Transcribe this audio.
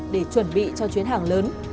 để chuẩn bị cho chuyến hàng lớn